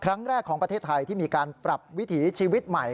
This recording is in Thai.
ครั้งแรกของประเทศไทยที่มีการปรับวิถีชีวิตใหม่